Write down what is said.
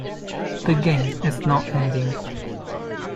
The game has no ending.